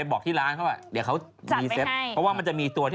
บอกที่ร้านด้วย